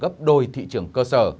gấp đôi thị trường cơ sở